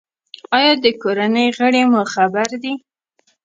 ایا د کورنۍ غړي مو خبر دي؟